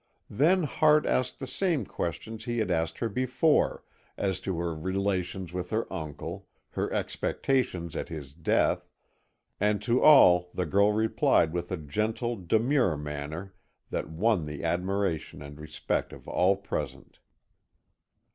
Then Hart asked the same questions he had asked her before, as to her relations with her uncle, her expectations at his death, and to all the girl replied with a gentle, demure manner that won the admiration and respect of all present.